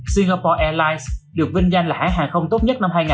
singapore airlines được vinh danh là hãng hàng không tốt nhất năm hai nghìn hai mươi